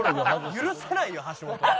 許せないよ橋本は。